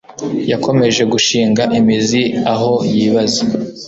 yakomeje gushinga imizi aho yibaza